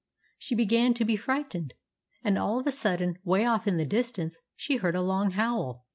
She began to be frightened ; and all of a sudden, way off in the distance, she heard a long howl.